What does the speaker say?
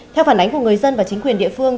theo phản ánh của người dân và chính quyền địa phương